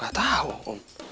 gak tau om